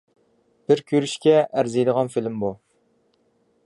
بىر كۆرۈشكە ئەرزىيدىغان فىلىم بۇ.